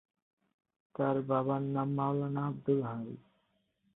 তার বাবার নাম মাওলানা আব্দুল হাই।